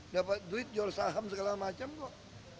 dapat duit jual saham segala macam kok